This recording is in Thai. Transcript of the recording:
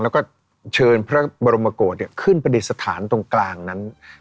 แล้วก็เชิญพระบรมโกศขึ้นประดิษฐานตรงกลางนั้น